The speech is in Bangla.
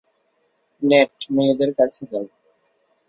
নেট, মেয়েদের কাছে যাও।